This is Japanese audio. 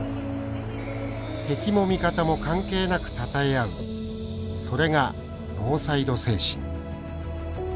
敵も味方も関係なくたたえ合うそれが、ノーサイド精神。